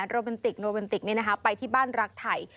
โรแมนติกนี่นะคะไปที่บ้านรักไถ่